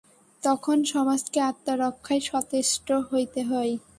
তখন সমাজকে আত্মরক্ষায় সচেষ্ট হইতে হয়।